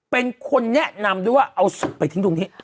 เป็นคนแนะนำด้วยว่าเอาศพไปทิ้งตรงนี้